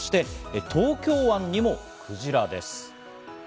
そして東京湾にもクジラです。